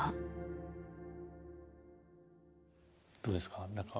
どうですか何か。